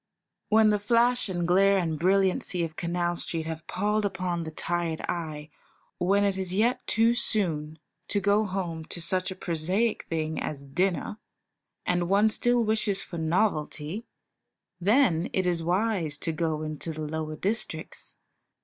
When the flash and glare and brilliancy of Canal Street have palled upon the tired eye, when it is yet too soon to go home to such a prosaic thing as dinner, and one still wishes for novelty, then it is wise to go into the lower districts.